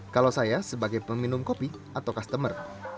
kalau saya sebagai peminum kopi atau customer